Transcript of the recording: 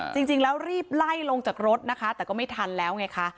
จริงแล้วรีบไล่ลงจากรถนะคะแต่ก็ไม่ทันแล้วไงคะ